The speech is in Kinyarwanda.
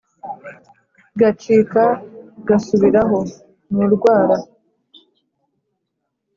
Gacika gasubiraho-nurwara.